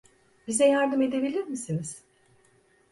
Bize yardım edebilir misiniz?